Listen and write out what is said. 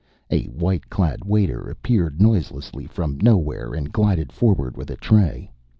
A white clad waiter appeared noiselessly from nowhere and glided forward with a tray.